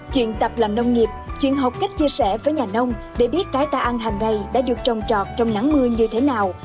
chuyện tập làm nông nghiệp chuyện học cách chia sẻ với nhà nông để biết cái ta ăn hàng ngày đã được trồng trọt trong nắng mưa như thế nào